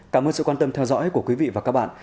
cảm ơn sự quan tâm theo dõi của quý vị và các bạn